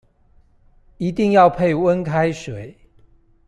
一定要配溫開水